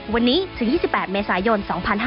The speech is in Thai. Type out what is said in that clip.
วันนี้ถึง๒๘เมษายน๒๕๕๙